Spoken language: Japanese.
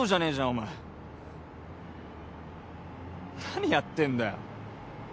お前何やってんだよ